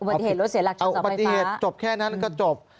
เอาปฏิเหตุจบแค่นั้นก็จบ